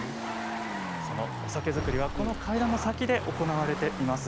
お酒造りはこの階段の先で行われています。